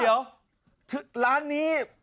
โอ้โฮเดี๋ยว